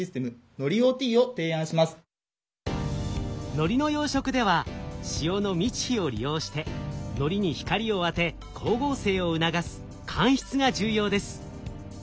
海苔の養殖では潮の満ち干を利用して海苔に光を当て光合成を促す干出が重要です。